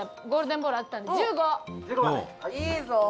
「いいぞ」